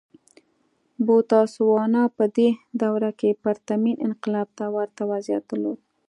بوتسوانا په دې دوره کې پرتمین انقلاب ته ورته وضعیت درلود.